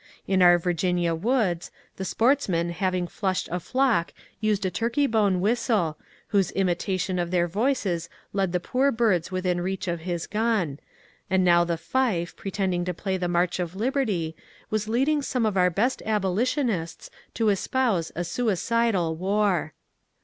In our Virginia woods, the sportsman having flushed a flock used a turkey bone whistle, whose imitation of their voices led the poor birds within reach of his g^n, and now the fife, pretending to play the march of liberty, was leading some f of our best abolitionists to espouse a suicidal war